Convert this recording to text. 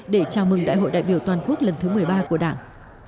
để chào mừng đại hội đại biểu toàn quốc lần thứ một mươi ba của đảng